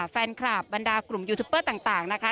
แฟนคลับบรรดากลุ่มยูทูปเปอร์ต่างนะคะ